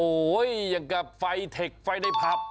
โอ้โหอย่างกับไฟเทคไฟในผับ